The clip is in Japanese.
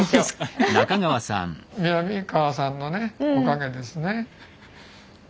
南川さんのねおかげですね。